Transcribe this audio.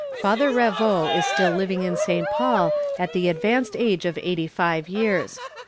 Father Ravoux is still living in St. Paul at the advanced age of eighty five years.